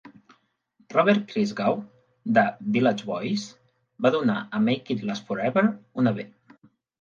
Robert Christgau de "The Village Voice" va donar a "Make It Last Forever" una "B".